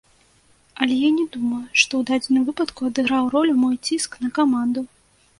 Але я не думаю, што ў дадзеным выпадку адыграў ролю мой ціск на каманду.